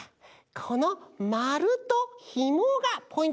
このまるとひもがポイントなんだね。